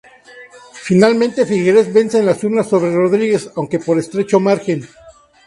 Finalmente, Figueres vence en las urnas sobre Rodríguez, aunque por estrecho margen.